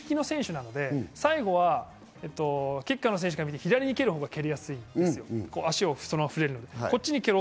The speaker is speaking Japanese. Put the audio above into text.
右利きの選手なので、最後はキッカーから見て左に蹴るほうが蹴りやすいんですよ。